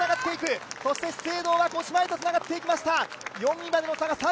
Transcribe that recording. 資生堂は五島へとつながっていきました。